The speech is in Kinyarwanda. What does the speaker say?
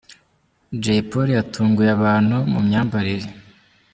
Jay Polly yatunguye abantu mu myambarire.